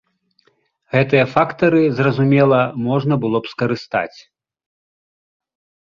Гэтыя фактары, зразумела, можна было б скарыстаць.